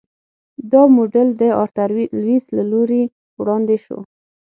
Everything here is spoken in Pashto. دا موډل د آرتر لویس له لوري وړاندې شو.